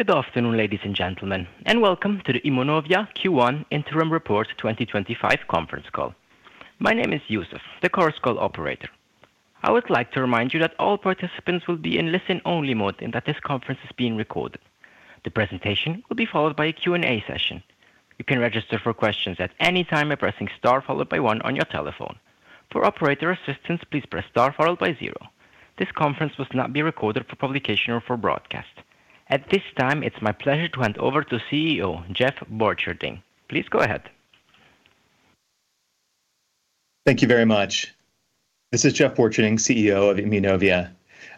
Good afternoon, ladies and gentlemen, and welcome to the Immunovia Q1 Interim Report 2025 conference call. My name is Yusuf, the course call operator. I would like to remind you that all participants will be in listen-only mode and that this conference is being recorded. The presentation will be followed by a Q&A session. You can register for questions at any time by pressing star followed by one on your telephone. For operator assistance, please press star followed by zero. This conference will not be recorded for publication or for broadcast. At this time, it's my pleasure to hand over to CEO Jeff Borcherding. Please go ahead. Thank you very much. This is Jeff Borcherding, CEO of Immunovia.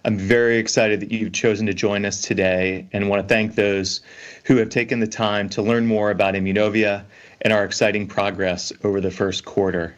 I'm very excited that you've chosen to join us today and want to thank those who have taken the time to learn more about Immunovia and our exciting progress over the first quarter.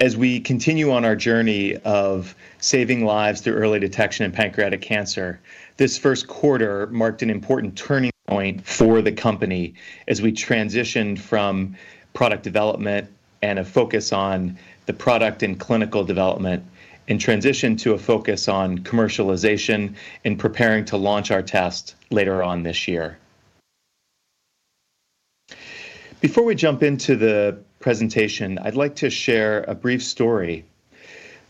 As we continue on our journey of saving lives through early detection and pancreatic cancer, this first quarter marked an important turning point for the company as we transitioned from product development and a focus on the product and clinical development and transitioned to a focus on commercialization and preparing to launch our test later on this year. Before we jump into the presentation, I'd like to share a brief story.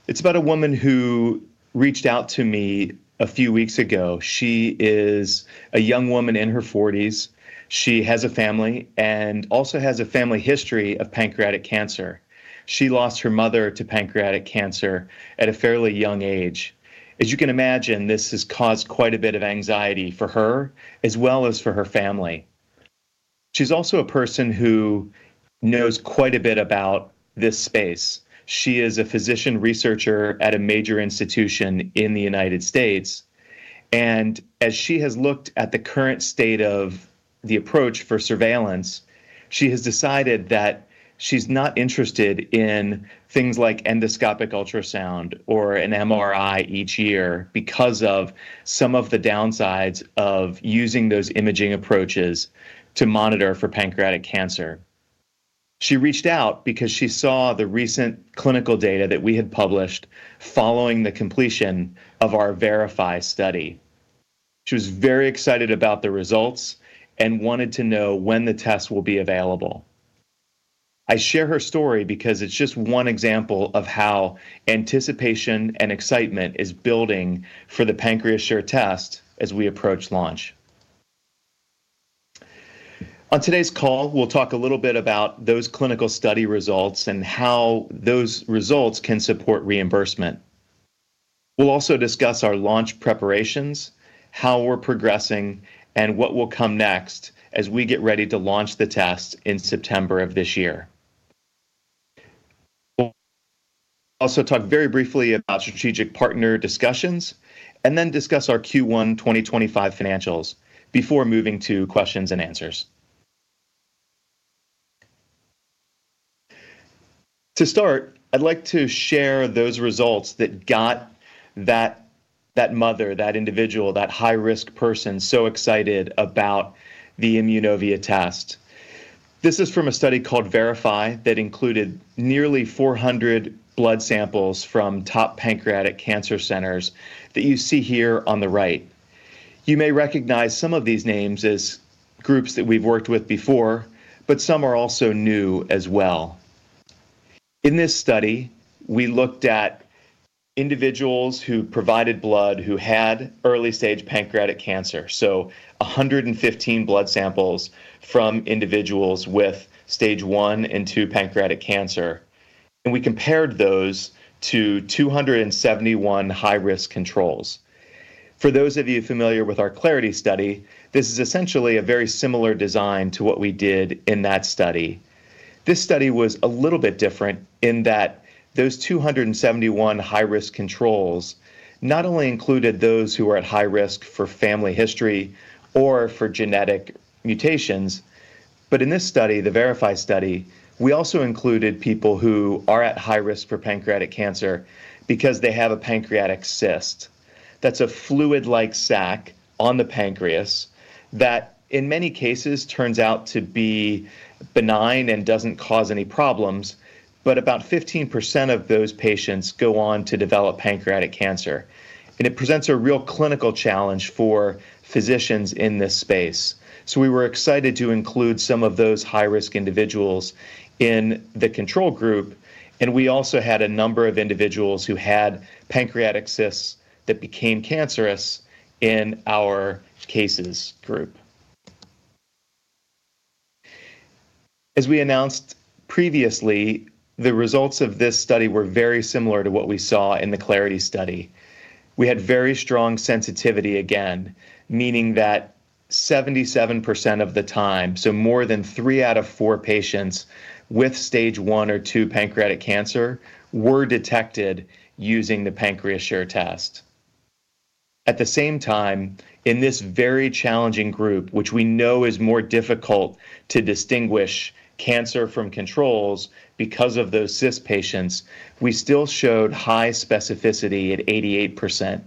It's about a woman who reached out to me a few weeks ago. She is a young woman in her 40s. She has a family and also has a family history of pancreatic cancer. She lost her mother to pancreatic cancer at a fairly young age. As you can imagine, this has caused quite a bit of anxiety for her as well as for her family. She's also a person who knows quite a bit about this space. She is a physician researcher at a major institution in the United States. As she has looked at the current state of the approach for surveillance, she has decided that she's not interested in things like endoscopic ultrasound or an MRI each year because of some of the downsides of using those imaging approaches to monitor for pancreatic cancer. She reached out because she saw the recent clinical data that we had published following the completion of our Verify study. She was very excited about the results and wanted to know when the test will be available. I share her story because it's just one example of how anticipation and excitement is building for the PancreaSure test as we approach launch. On today's call, we'll talk a little bit about those clinical study results and how those results can support reimbursement. We'll also discuss our launch preparations, how we're progressing, and what will come next as we get ready to launch the test in September of this year. We'll also talk very briefly about strategic partner discussions and then discuss our Q1 2025 financials before moving to questions and answers. To start, I'd like to share those results that got that mother, that individual, that high-risk person so excited about the Immunovia test. This is from a study called Verify that included nearly 400 blood samples from top pancreatic cancer centers that you see here on the right. You may recognize some of these names as groups that we've worked with before, but some are also new as well. In this study, we looked at individuals who provided blood who had early-stage pancreatic cancer, so 115 blood samples from individuals with stage one and two pancreatic cancer. We compared those to 271 high-risk controls. For those of you familiar with our Clarity study, this is essentially a very similar design to what we did in that study. This study was a little bit different in that those 271 high-risk controls not only included those who are at high risk for family history or for genetic mutations, but in this study, the Verify study, we also included people who are at high risk for pancreatic cancer because they have a pancreatic cyst. That's a fluid-like sac on the pancreas that in many cases turns out to be benign and doesn't cause any problems, but about 15% of those patients go on to develop pancreatic cancer. It presents a real clinical challenge for physicians in this space. We were excited to include some of those high-risk individuals in the control group. We also had a number of individuals who had pancreatic cysts that became cancerous in our cases group. As we announced previously, the results of this study were very similar to what we saw in the Clarity study. We had very strong sensitivity again, meaning that 77% of the time, so more than three out of four patients with stage one or two pancreatic cancer were detected using the PancreaSure test. At the same time, in this very challenging group, which we know is more difficult to distinguish cancer from controls because of those cyst patients, we still showed high specificity at 88%,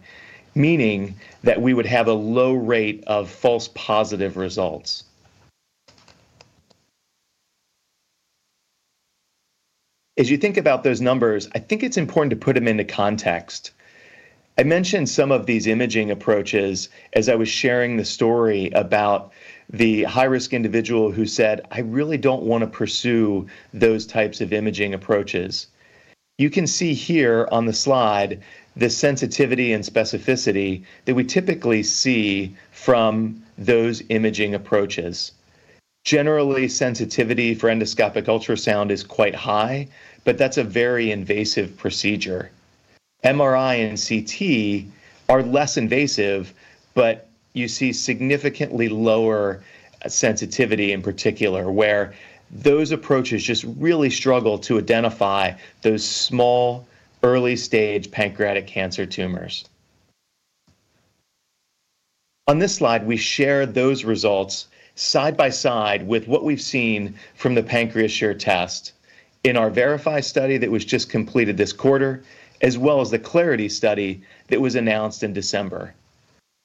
meaning that we would have a low rate of false positive results. As you think about those numbers, I think it's important to put them into context. I mentioned some of these imaging approaches as I was sharing the story about the high-risk individual who said, "I really don't want to pursue those types of imaging approaches." You can see here on the slide the sensitivity and specificity that we typically see from those imaging approaches. Generally, sensitivity for endoscopic ultrasound is quite high, but that's a very invasive procedure. MRI and CT are less invasive, but you see significantly lower sensitivity in particular where those approaches just really struggle to identify those small early-stage pancreatic cancer tumors. On this slide, we share those results side by side with what we've seen from the PancreaSure test in our Verify study that was just completed this quarter, as well as the Clarity study that was announced in December.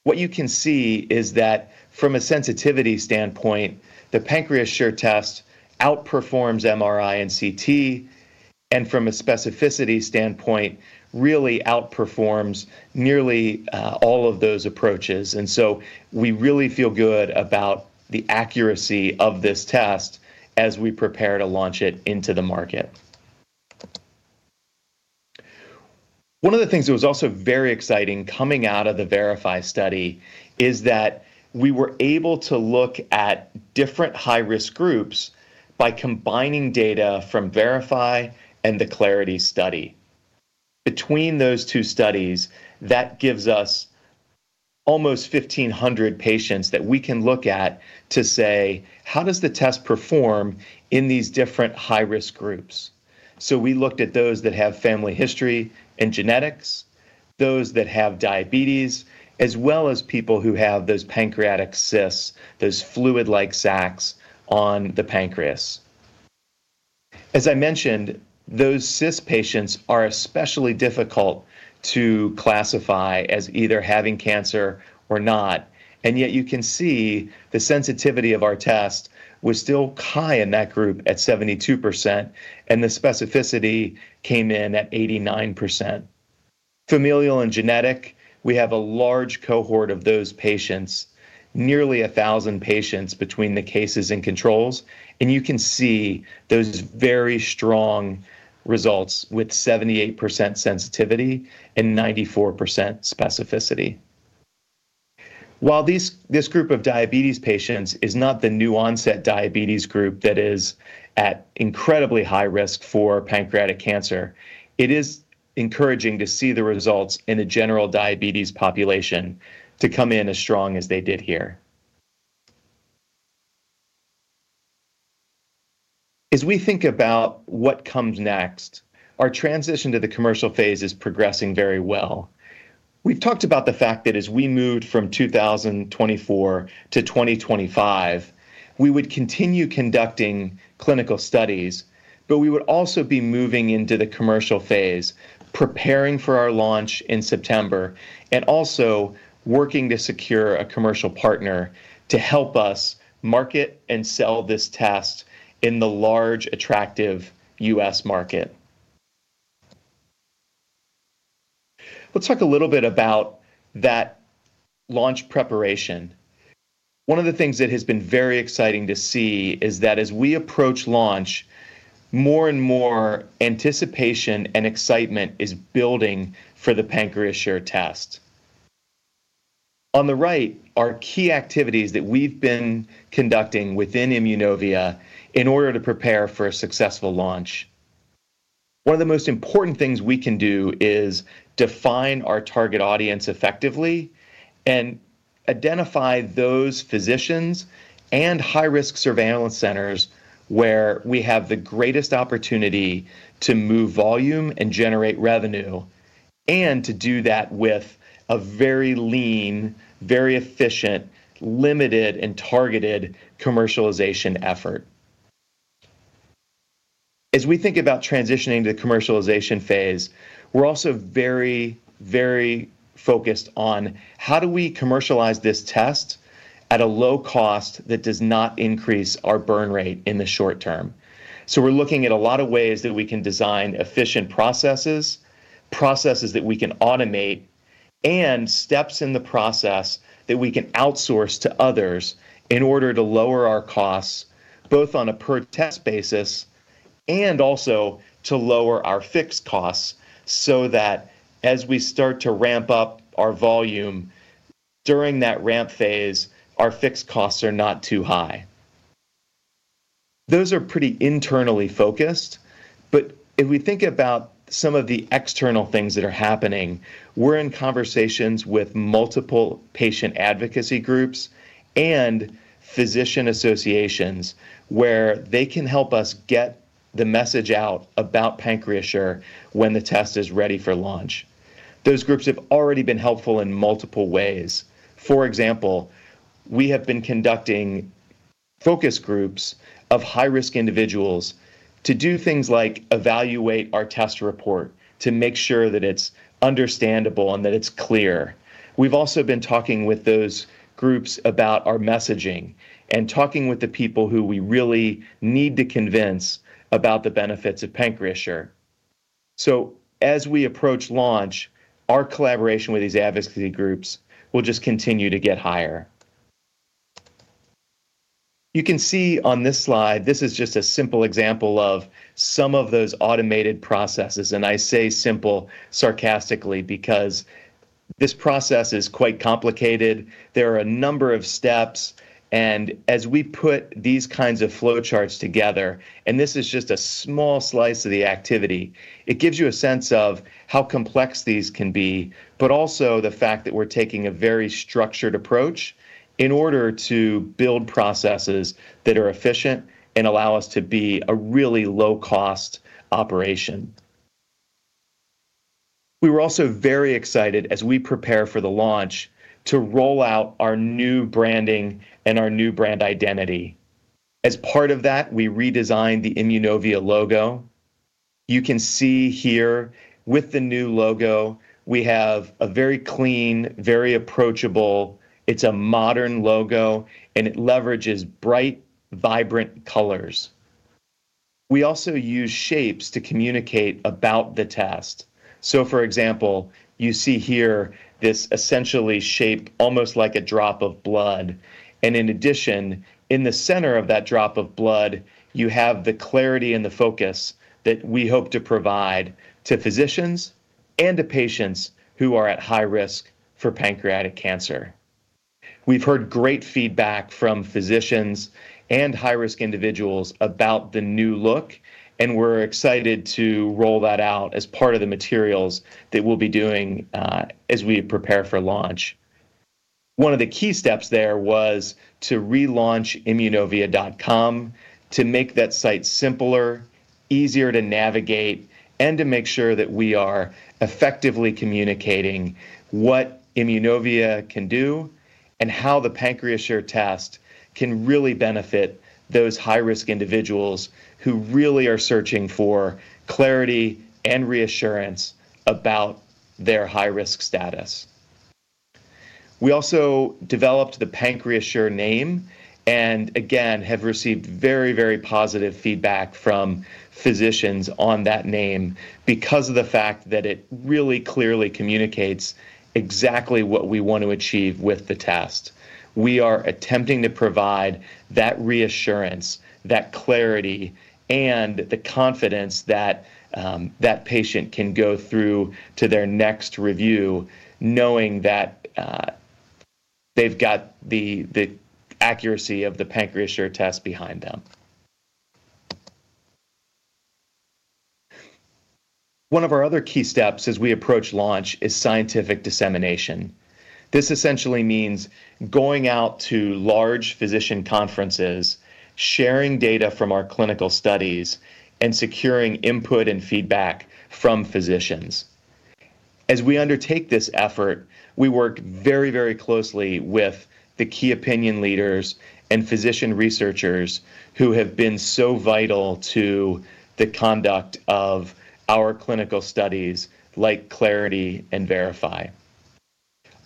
What you can see is that from a sensitivity standpoint, the PancreaSure test outperforms MRI and CT, and from a specificity standpoint, really outperforms nearly all of those approaches. We really feel good about the accuracy of this test as we prepare to launch it into the market. One of the things that was also very exciting coming out of the Verify study is that we were able to look at different high-risk groups by combining data from Verify and the Clarity study. Between those two studies, that gives us almost 1,500 patients that we can look at to say, "How does the test perform in these different high-risk groups?" We looked at those that have family history and genetics, those that have diabetes, as well as people who have those pancreatic cysts, those fluid-like sacs on the pancreas. As I mentioned, those cyst patients are especially difficult to classify as either having cancer or not. Yet you can see the sensitivity of our test was still high in that group at 72%, and the specificity came in at 89%. Familial and genetic, we have a large cohort of those patients, nearly 1,000 patients between the cases and controls. You can see those very strong results with 78% sensitivity and 94% specificity. While this group of diabetes patients is not the new onset diabetes group that is at incredibly high risk for pancreatic cancer, it is encouraging to see the results in the general diabetes population to come in as strong as they did here. As we think about what comes next, our transition to the commercial phase is progressing very well. We've talked about the fact that as we moved from 2024-2025, we would continue conducting clinical studies, but we would also be moving into the commercial phase, preparing for our launch in September, and also working to secure a commercial partner to help us market and sell this test in the large, attractive U.S. market. Let's talk a little bit about that launch preparation. One of the things that has been very exciting to see is that as we approach launch, more and more anticipation and excitement is building for the PancreaSure test. On the right, our key activities that we've been conducting within Immunovia in order to prepare for a successful launch. One of the most important things we can do is define our target audience effectively and identify those physicians and high-risk surveillance centers where we have the greatest opportunity to move volume and generate revenue and to do that with a very lean, very efficient, limited, and targeted commercialization effort. As we think about transitioning to the commercialization phase, we're also very, very focused on how do we commercialize this test at a low cost that does not increase our burn rate in the short term. We're looking at a lot of ways that we can design efficient processes, processes that we can automate, and steps in the process that we can outsource to others in order to lower our costs both on a per-test basis and also to lower our fixed costs so that as we start to ramp up our volume during that ramp phase, our fixed costs are not too high. Those are pretty internally focused. If we think about some of the external things that are happening, we're in conversations with multiple patient advocacy groups and physician associations where they can help us get the message out about PancreaSure when the test is ready for launch. Those groups have already been helpful in multiple ways. For example, we have been conducting focus groups of high-risk individuals to do things like evaluate our test report to make sure that it's understandable and that it's clear. We've also been talking with those groups about our messaging and talking with the people who we really need to convince about the benefits of PancreaSure. As we approach launch, our collaboration with these advocacy groups will just continue to get higher. You can see on this slide, this is just a simple example of some of those automated processes. I say simple sarcastically because this process is quite complicated. There are a number of steps. As we put these kinds of flow charts together, and this is just a small slice of the activity, it gives you a sense of how complex these can be, but also the fact that we're taking a very structured approach in order to build processes that are efficient and allow us to be a really low-cost operation. We were also very excited as we prepare for the launch to roll out our new branding and our new brand identity. As part of that, we redesigned the Immunovia logo. You can see here with the new logo, we have a very clean, very approachable, it's a modern logo, and it leverages bright, vibrant colors. We also use shapes to communicate about the test. For example, you see here this essentially shape almost like a drop of blood. In addition, in the center of that drop of blood, you have the clarity and the focus that we hope to provide to physicians and to patients who are at high risk for pancreatic cancer. We've heard great feedback from physicians and high-risk individuals about the new look, and we're excited to roll that out as part of the materials that we'll be doing as we prepare for launch. One of the key steps there was to relaunch immunovia.com to make that site simpler, easier to navigate, and to make sure that we are effectively communicating what Immunovia can do and how the PancreaSure test can really benefit those high-risk individuals who really are searching for clarity and reassurance about their high-risk status. We also developed the PancreaSure name and again have received very, very positive feedback from physicians on that name because of the fact that it really clearly communicates exactly what we want to achieve with the test. We are attempting to provide that reassurance, that clarity, and the confidence that that patient can go through to their next review knowing that they've got the accuracy of the PancreaSure test behind them. One of our other key steps as we approach launch is scientific dissemination. This essentially means going out to large physician conferences, sharing data from our clinical studies, and securing input and feedback from physicians. As we undertake this effort, we work very, very closely with the key opinion leaders and physician researchers who have been so vital to the conduct of our clinical studies like Clarity and Verify.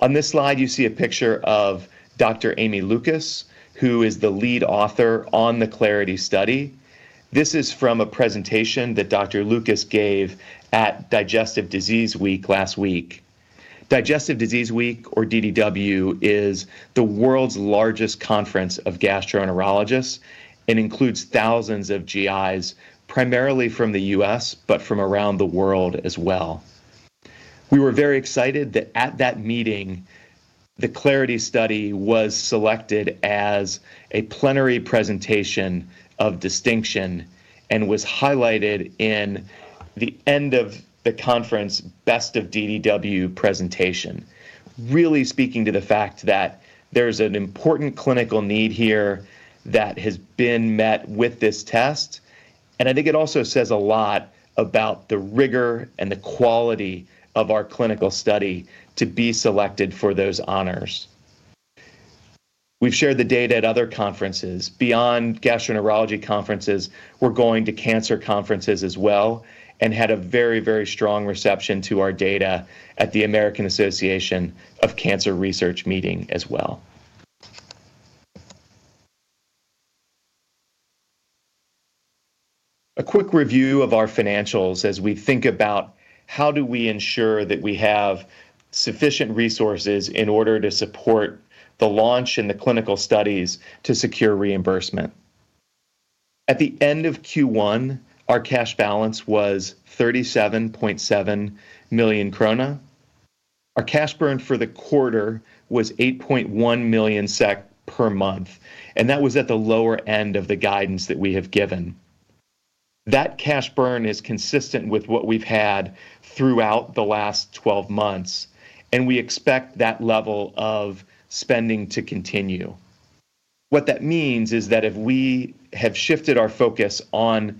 On this slide, you see a picture of Dr. Amie Lucas, who is the lead author on the Clarity study. This is from a presentation that Dr. Lucas gave at Digestive Disease Week last week. Digestive Disease Week, or DDW, is the world's largest conference of gastroenterologists and includes thousands of GIs, primarily from the U.S., but from around the world as well. We were very excited that at that meeting, the Clarity study was selected as a plenary presentation of distinction and was highlighted in the end of the conference Best of DDW presentation, really speaking to the fact that there is an important clinical need here that has been met with this test. I think it also says a lot about the rigor and the quality of our clinical study to be selected for those honors. We've shared the data at other conferences. Beyond gastroenterology conferences, we're going to cancer conferences as well and had a very, very strong reception to our data at the American Association of Cancer Research meeting as well. A quick review of our financials as we think about how do we ensure that we have sufficient resources in order to support the launch and the clinical studies to secure reimbursement. At the end of Q1, our cash balance was 37.7 million krona. Our cash burn for the quarter was 8.1 million SEK per month, and that was at the lower end of the guidance that we have given. That cash burn is consistent with what we've had throughout the last 12 months, and we expect that level of spending to continue. What that means is that if we have shifted our focus on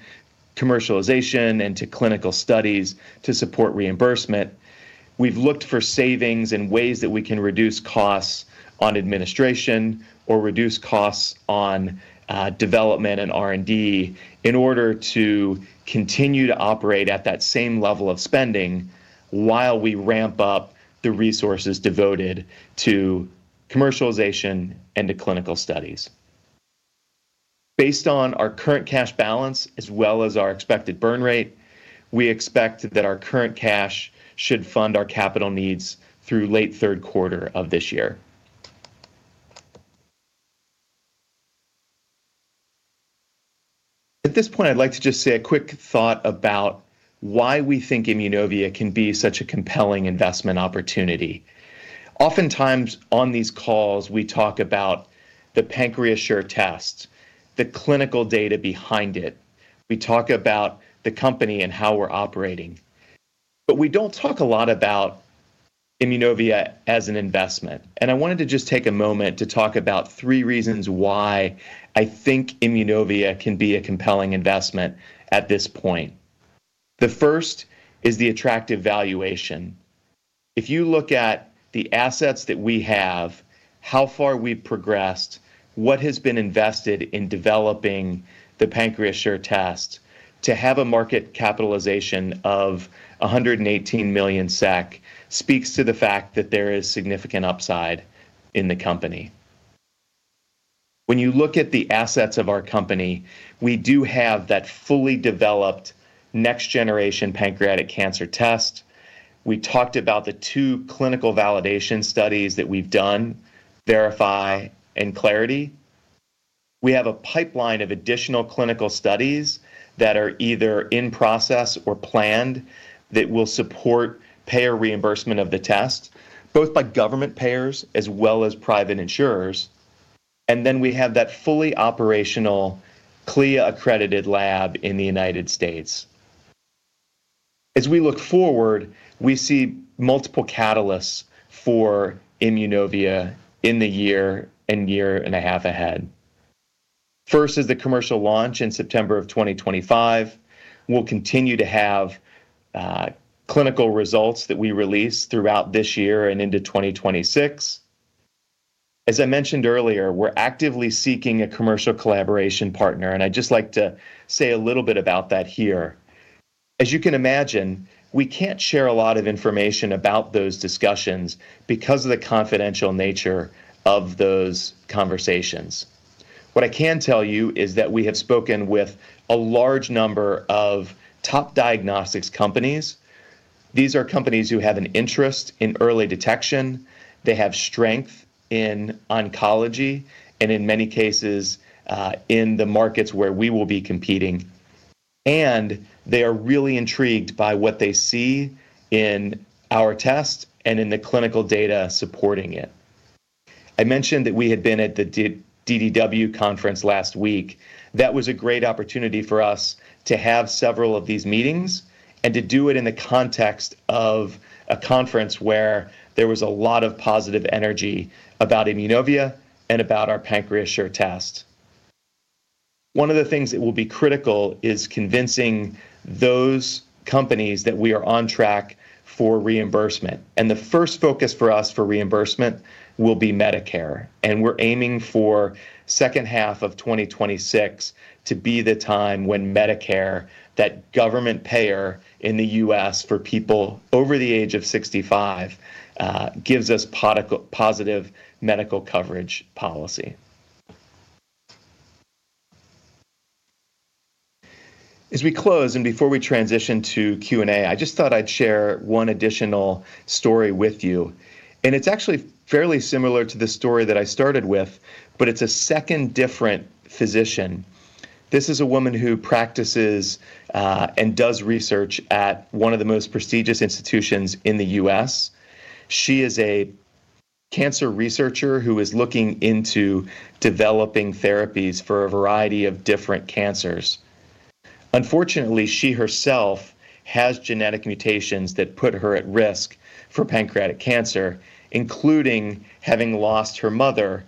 commercialization and to clinical studies to support reimbursement, we've looked for savings and ways that we can reduce costs on administration or reduce costs on development and R&D in order to continue to operate at that same level of spending while we ramp up the resources devoted to commercialization and to clinical studies. Based on our current cash balance as well as our expected burn rate, we expect that our current cash should fund our capital needs through late third quarter of this year. At this point, I'd like to just say a quick thought about why we think Immunovia can be such a compelling investment opportunity. Oftentimes on these calls, we talk about the PancreaSure test, the clinical data behind it. We talk about the company and how we're operating. We do not talk a lot about Immunovia as an investment. I wanted to just take a moment to talk about three reasons why I think Immunovia can be a compelling investment at this point. The first is the attractive valuation. If you look at the assets that we have, how far we have progressed, what has been invested in developing the PancreaSure test, to have a market capitalization of 118 million SEK speaks to the fact that there is significant upside in the company. When you look at the assets of our company, we do have that fully developed next-generation pancreatic cancer test. We talked about the two clinical validation studies that we have done, Verify and Clarity. We have a pipeline of additional clinical studies that are either in process or planned that will support payer reimbursement of the test, both by government payers as well as private insurers. We have that fully operational CLIA-accredited lab in the United States. As we look forward, we see multiple catalysts for Immunovia in the year-and-year and a half ahead. First is the commercial launch in September of 2025. We'll continue to have clinical results that we release throughout this year and into 2026. As I mentioned earlier, we're actively seeking a commercial collaboration partner, and I'd just like to say a little bit about that here. As you can imagine, we can't share a lot of information about those discussions because of the confidential nature of those conversations. What I can tell you is that we have spoken with a large number of top diagnostics companies. These are companies who have an interest in early detection. They have strength in oncology and in many cases in the markets where we will be competing. They are really intrigued by what they see in our test and in the clinical data supporting it. I mentioned that we had been at the DDW conference last week. That was a great opportunity for us to have several of these meetings and to do it in the context of a conference where there was a lot of positive energy about Immunovia and about our PancreaSure test. One of the things that will be critical is convincing those companies that we are on track for reimbursement. The first focus for us for reimbursement will be Medicare. We're aiming for the second half of 2026 to be the time when Medicare, that government payer in the U.S. for people over the age of 65, gives us positive medical coverage policy. As we close and before we transition to Q&A, I just thought I'd share one additional story with you. It's actually fairly similar to the story that I started with, but it's a second different physician. This is a woman who practices and does research at one of the most prestigious institutions in the U.S. She is a cancer researcher who is looking into developing therapies for a variety of different cancers. Unfortunately, she herself has genetic mutations that put her at risk for pancreatic cancer, including having lost her mother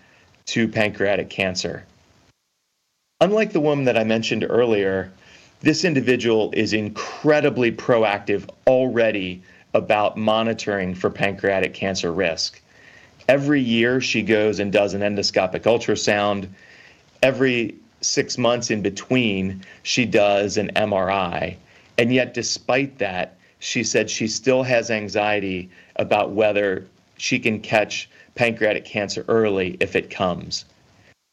to pancreatic cancer. Unlike the woman that I mentioned earlier, this individual is incredibly proactive already about monitoring for pancreatic cancer risk. Every year, she goes and does an endoscopic ultrasound. Every six months in between, she does an MRI. Yet, despite that, she said she still has anxiety about whether she can catch pancreatic cancer early if it comes.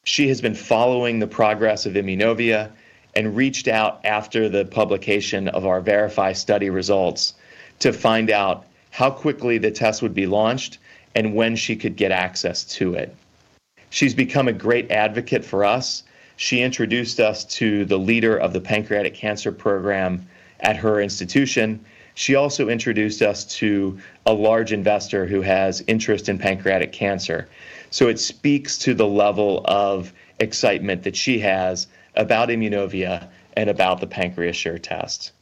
She has been following the progress of Immunovia and reached out after the publication of our Verify study results to find out how quickly the test would be launched and when she could get access to it. She's become a great advocate for us. She introduced us to the leader of the pancreatic cancer program at her institution. She also introduced us to a large investor who has interest in pancreatic cancer. It speaks to the level of excitement that she has about Immunovia and about the PancreaSure test.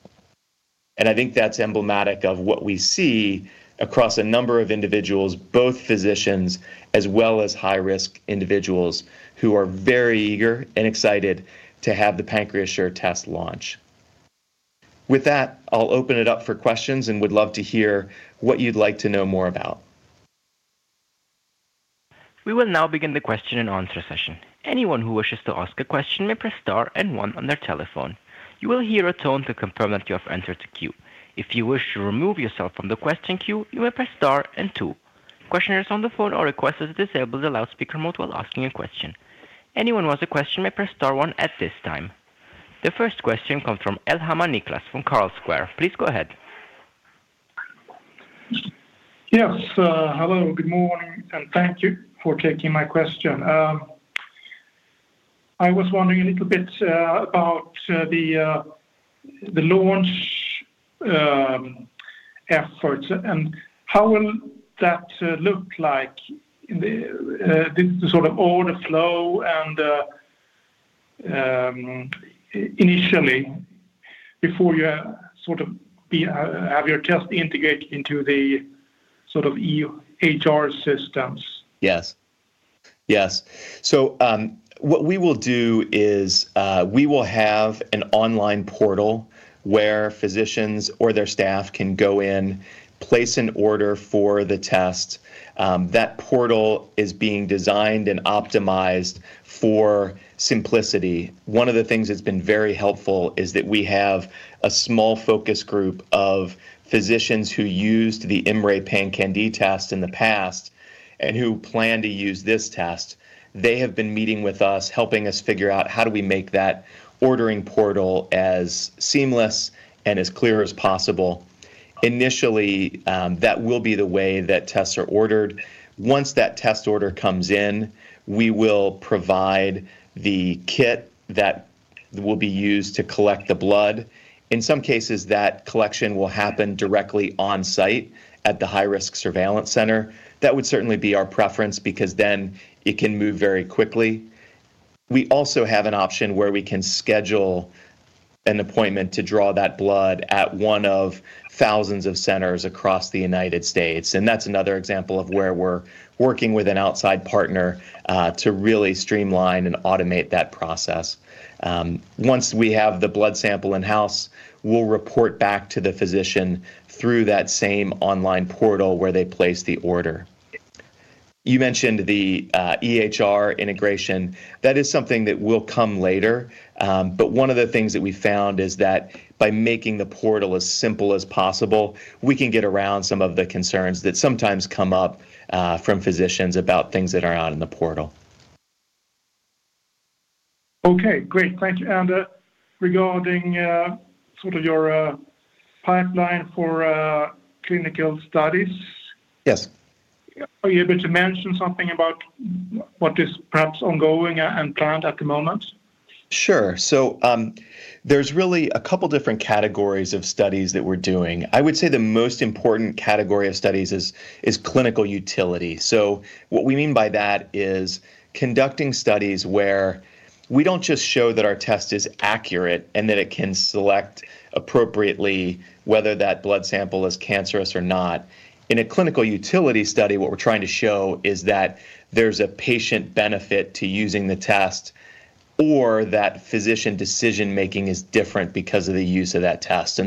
I think that's emblematic of what we see across a number of individuals, both physicians as well as high-risk individuals who are very eager and excited to have the PancreaSure test launch. With that, I'll open it up for questions and would love to hear what you'd like to know more about. We will now begin the question and answer session. Anyone who wishes to ask a question may press star and one on their telephone. You will hear a tone to confirm that you have entered the queue. If you wish to remove yourself from the question queue, you may press star and two. Questioners on the phone are requested to disable the loudspeaker mode while asking a question. Anyone who has a question may press star one at this time. The first question comes from Elhamma Niklas from Carl Square. Please go ahead. Yes. Hello. Good morning. Thank you for taking my question. I was wondering a little bit about the launch efforts and how will that look like in the sort of order flow and initially before you sort of have your test integrated into the sort of HR systems. Yes. Yes. What we will do is we will have an online portal where physicians or their staff can go in, place an order for the test. That portal is being designed and optimized for simplicity. One of the things that's been very helpful is that we have a small focus group of physicians who used the IMMray PanCan-d test in the past and who plan to use this test. They have been meeting with us, helping us figure out how do we make that ordering portal as seamless and as clear as possible. Initially, that will be the way that tests are ordered. Once that test order comes in, we will provide the kit that will be used to collect the blood. In some cases, that collection will happen directly on site at the high-risk surveillance center. That would certainly be our preference because then it can move very quickly. We also have an option where we can schedule an appointment to draw that blood at one of thousands of centers across the United States. That is another example of where we're working with an outside partner to really streamline and automate that process. Once we have the blood sample in-house, we'll report back to the physician through that same online portal where they place the order. You mentioned the EHR integration. That is something that will come later. One of the things that we found is that by making the portal as simple as possible, we can get around some of the concerns that sometimes come up from physicians about things that are out in the portal. Okay. Great. Thank you. Regarding sort of your pipeline for clinical studies. Yes. Are you able to mention something about what is perhaps ongoing and planned at the moment? Sure. There are really a couple of different categories of studies that we are doing. I would say the most important category of studies is clinical utility. What we mean by that is conducting studies where we do not just show that our test is accurate and that it can select appropriately whether that blood sample is cancerous or not. In a clinical utility study, what we're trying to show is that there's a patient benefit to using the test or that physician decision-making is different because of the use of that test.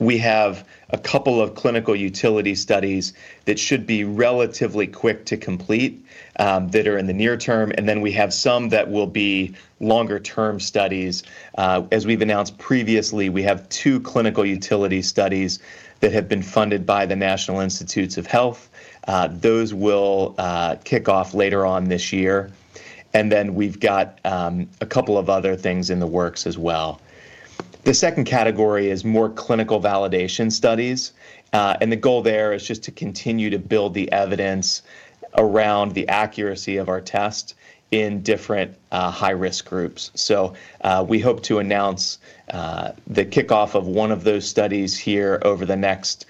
We have a couple of clinical utility studies that should be relatively quick to complete that are in the near term. We have some that will be longer-term studies. As we've announced previously, we have two clinical utility studies that have been funded by the National Institutes of Health. Those will kick off later on this year. We've got a couple of other things in the works as well. The second category is more clinical validation studies. The goal there is just to continue to build the evidence around the accuracy of our test in different high-risk groups. We hope to announce the kickoff of one of those studies here over the next,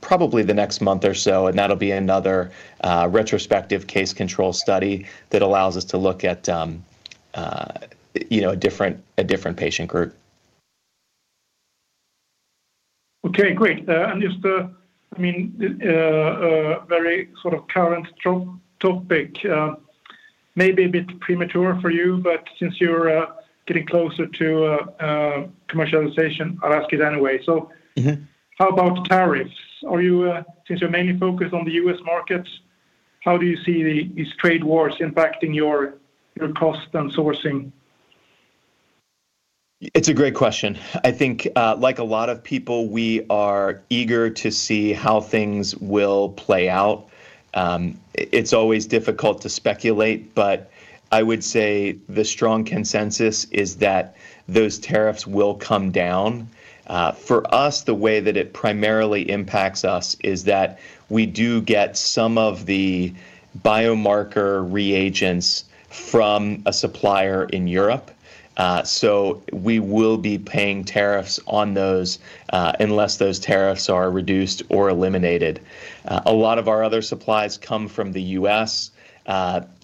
probably the next month or so. That'll be another retrospective case control study that allows us to look at a different patient group. Okay. Great. Just, I mean, very sort of current topic. Maybe a bit premature for you, but since you're getting closer to commercialization, I'll ask it anyway. How about tariffs? Since you're mainly focused on the U.S. markets, how do you see these trade wars impacting your cost and sourcing? It's a great question. I think, like a lot of people, we are eager to see how things will play out. It's always difficult to speculate, but I would say the strong consensus is that those tariffs will come down. For us, the way that it primarily impacts us is that we do get some of the biomarker reagents from a supplier in Europe. We will be paying tariffs on those unless those tariffs are reduced or eliminated. A lot of our other supplies come from the U.S.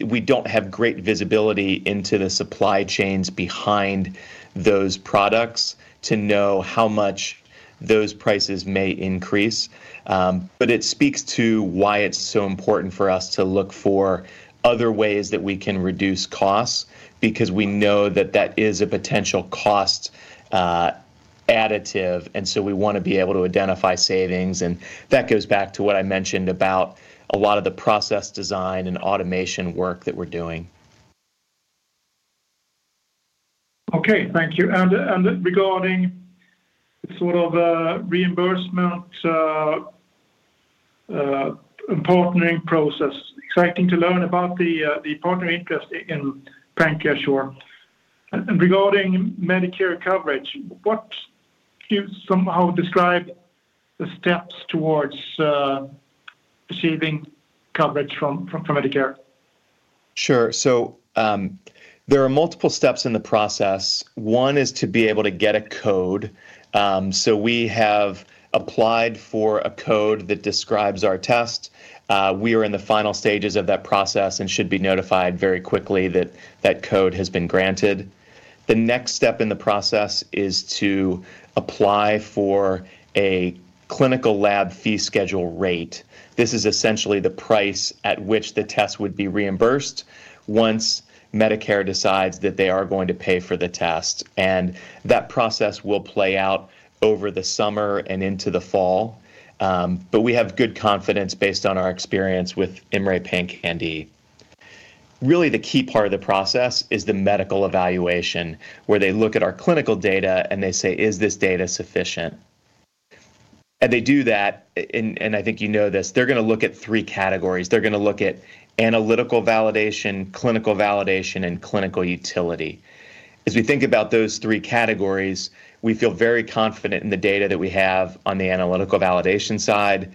We do not have great visibility into the supply chains behind those products to know how much those prices may increase. It speaks to why it is so important for us to look for other ways that we can reduce costs because we know that is a potential cost additive. We want to be able to identify savings. That goes back to what I mentioned about a lot of the process design and automation work that we are doing. Okay. Thank you. Regarding sort of reimbursement and partnering process, exciting to learn about the partner interest in PancreaSure. Regarding Medicare coverage, would you somehow describe the steps towards receiving coverage from Medicare? Sure. There are multiple steps in the process. One is to be able to get a code. We have applied for a code that describes our test. We are in the final stages of that process and should be notified very quickly that that code has been granted. The next step in the process is to apply for a clinical lab fee schedule rate. This is essentially the price at which the test would be reimbursed once Medicare decides that they are going to pay for the test. That process will play out over the summer and into the fall. We have good confidence based on our experience with IMMray PanCan-d. Really, the key part of the process is the medical evaluation where they look at our clinical data and they say, "Is this data sufficient?" They do that, and I think you know this, they're going to look at three categories. They're going to look at analytical validation, clinical validation, and clinical utility. As we think about those three categories, we feel very confident in the data that we have on the analytical validation side.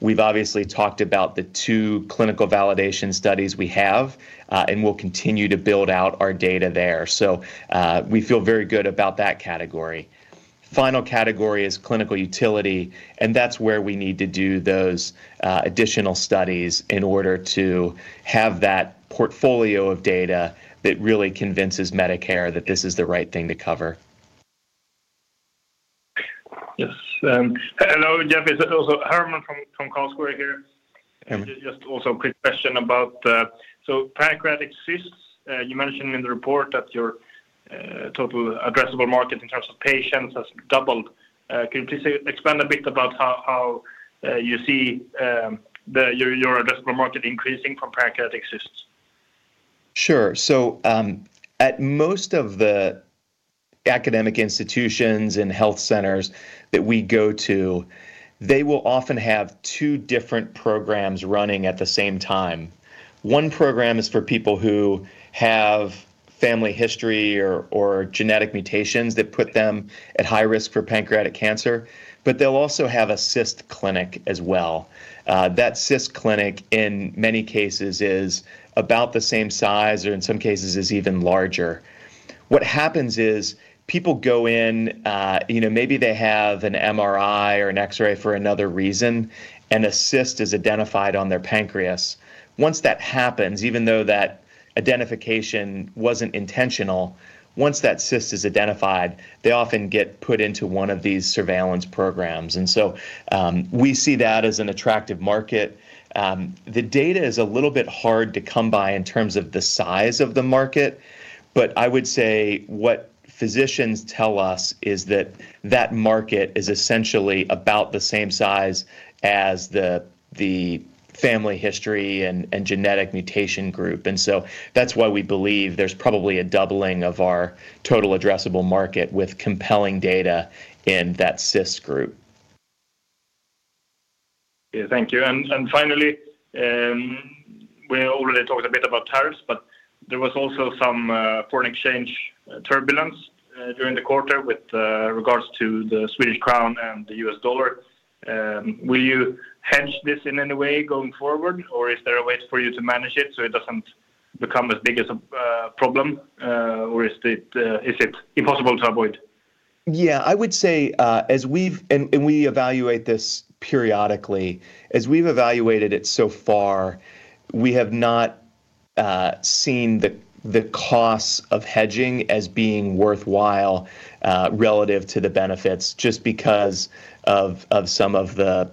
We've obviously talked about the two clinical validation studies we have and will continue to build out our data there. We feel very good about that category. The final category is clinical utility. That's where we need to do those additional studies in order to have that portfolio of data that really convinces Medicare that this is the right thing to cover. Yes. Hello, Jeff. It's also Herman from Carl Square here. Just also a quick question about, so pancreatic cysts, you mentioned in the report that your total addressable market in terms of patients has doubled. Could you please expand a bit about how you see your addressable market increasing from pancreatic cysts? Sure. At most of the academic institutions and health centers that we go to, they will often have two different programs running at the same time. One program is for people who have family history or genetic mutations that put them at high risk for pancreatic cancer. They will also have a cyst clinic as well. That cyst clinic, in many cases, is about the same size or in some cases is even larger. What happens is people go in, maybe they have an MRI or an X-ray for another reason, and a cyst is identified on their pancreas. Once that happens, even though that identification wasn't intentional, once that cyst is identified, they often get put into one of these surveillance programs. We see that as an attractive market. The data is a little bit hard to come by in terms of the size of the market. I would say what physicians tell us is that that market is essentially about the same size as the family history and genetic mutation group. That is why we believe there's probably a doubling of our total addressable market with compelling data in that cyst group. Yeah. Thank you. Finally, we already talked a bit about tariffs, but there was also some foreign exchange turbulence during the quarter with regards to the Swedish krona and the U.S. dollar. Will you hedge this in any way going forward, or is there a way for you to manage it so it does not become as big a problem, or is it impossible to avoid? Yeah. I would say as we evaluate this periodically, as we have evaluated it so far, we have not seen the costs of hedging as being worthwhile relative to the benefits just because of some of the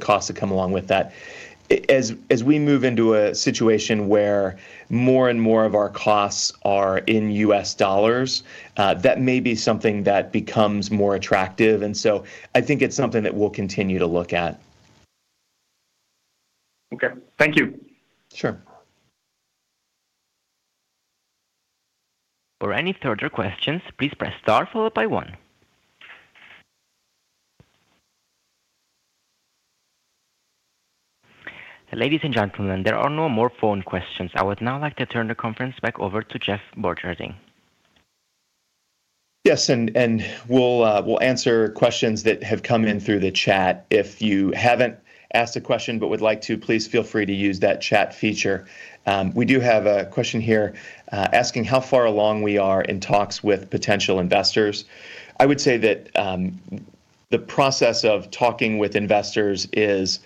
costs that come along with that. As we move into a situation where more and more of our costs are in U.S. dollars, that may be something that becomes more attractive. I think it is something that we will continue to look at. Okay. Thank you. Sure. For any further questions, please press star followed by one. Ladies and gentlemen, there are no more phone questions. I would now like to turn the conference back over to Jeff Borcherding. Yes. We'll answer questions that have come in through the chat. If you haven't asked a question but would like to, please feel free to use that chat feature. We do have a question here asking how far along we are in talks with potential investors. I would say that the process of talking with investors is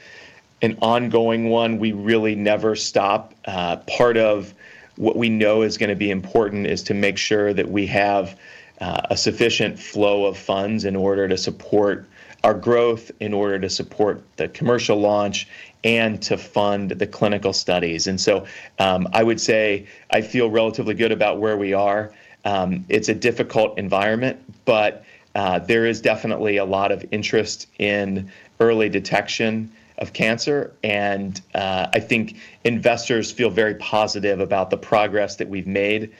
an ongoing one. We really never stop. Part of what we know is going to be important is to make sure that we have a sufficient flow of funds in order to support our growth, in order to support the commercial launch, and to fund the clinical studies. I would say I feel relatively good about where we are. It's a difficult environment, but there is definitely a lot of interest in early detection of cancer. I think investors feel very positive about the progress that we've made.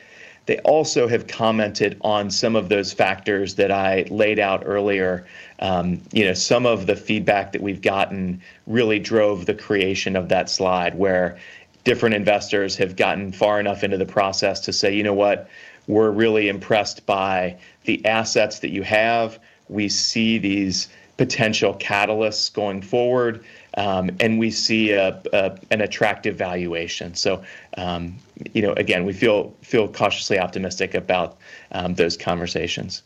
They also have commented on some of those factors that I laid out earlier. Some of the feedback that we've gotten really drove the creation of that slide where different investors have gotten far enough into the process to say, "You know what? We're really impressed by the assets that you have. We see these potential catalysts going forward, and we see an attractive valuation." Again, we feel cautiously optimistic about those conversations.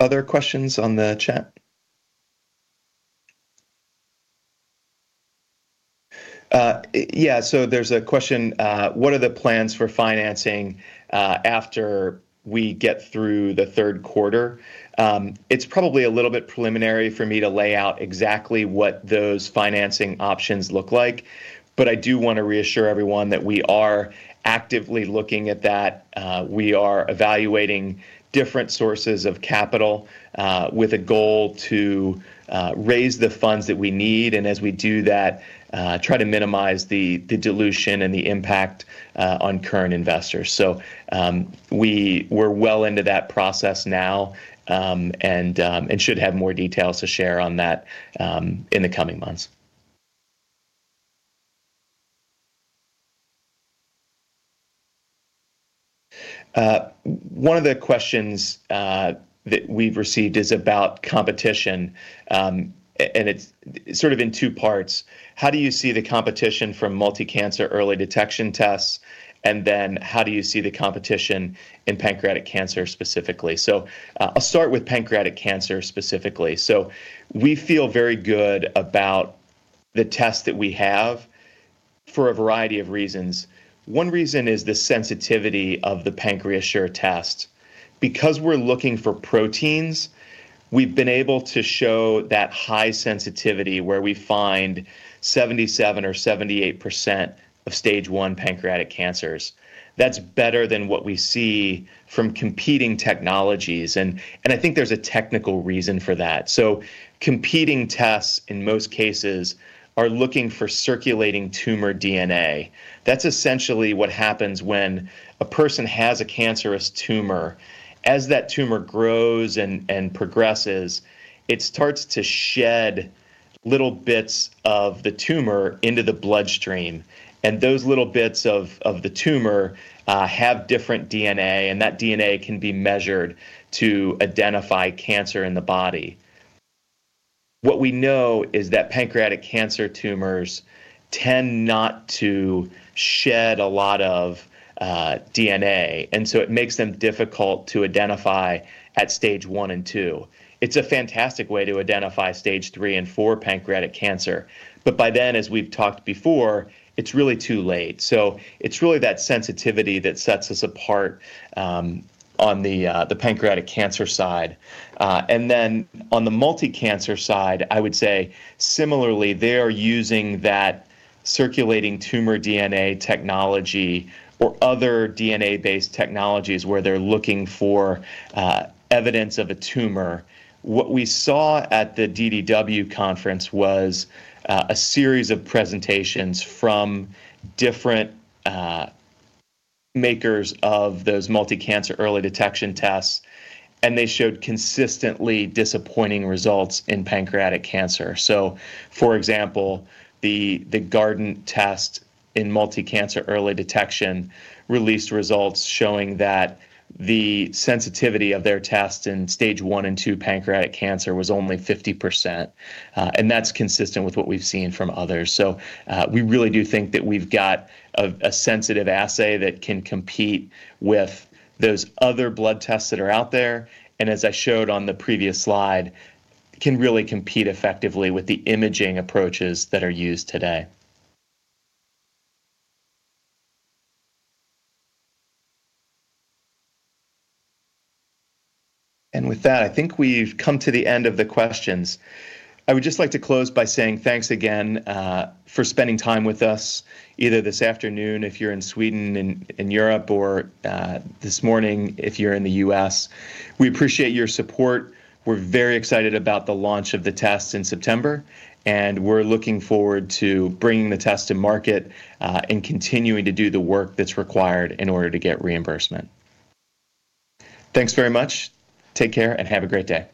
Other questions on the chat? Yeah. There's a question, "What are the plans for financing after we get through the third quarter?" It's probably a little bit preliminary for me to lay out exactly what those financing options look like. I do want to reassure everyone that we are actively looking at that. We are evaluating different sources of capital with a goal to raise the funds that we need. As we do that, we try to minimize the dilution and the impact on current investors. We are well into that process now and should have more details to share on that in the coming months. One of the questions that we've received is about competition. It is sort of in two parts. How do you see the competition from multicancer early detection tests? How do you see the competition in pancreatic cancer specifically? I will start with pancreatic cancer specifically. We feel very good about the test that we have for a variety of reasons. One reason is the sensitivity of the PancreaSure test. Because we are looking for proteins, we have been able to show that high sensitivity where we find 77% or 78% of stage one pancreatic cancers. That is better than what we see from competing technologies. I think there's a technical reason for that. Competing tests, in most cases, are looking for circulating tumor DNA. That's essentially what happens when a person has a cancerous tumor. As that tumor grows and progresses, it starts to shed little bits of the tumor into the bloodstream. Those little bits of the tumor have different DNA. That DNA can be measured to identify cancer in the body. What we know is that pancreatic cancer tumors tend not to shed a lot of DNA, which makes them difficult to identify at stage one and two. It's a fantastic way to identify stage three and four pancreatic cancer. By then, as we've talked before, it's really too late. It's really that sensitivity that sets us apart on the pancreatic cancer side. On the multicancer side, I would say, similarly, they are using that circulating tumor DNA technology or other DNA-based technologies where they're looking for evidence of a tumor. What we saw at the DDW conference was a series of presentations from different makers of those multicancer early detection tests. They showed consistently disappointing results in pancreatic cancer. For example, the Guardant test in multicancer early detection released results showing that the sensitivity of their tests in stage one and two pancreatic cancer was only 50%. That's consistent with what we've seen from others. We really do think that we've got a sensitive assay that can compete with those other blood tests that are out there. As I showed on the previous slide, it can really compete effectively with the imaging approaches that are used today. With that, I think we've come to the end of the questions. I would just like to close by saying thanks again for spending time with us either this afternoon if you're in Sweden and in Europe or this morning if you're in the U.S. We appreciate your support. We're very excited about the launch of the tests in September. We're looking forward to bringing the tests to market and continuing to do the work that's required in order to get reimbursement. Thanks very much. Take care and have a great day.